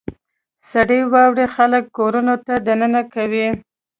• سړې واورې خلک کورونو ته دننه کوي.